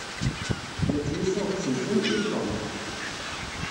La ttnusuɣ deg usensu n Hilton.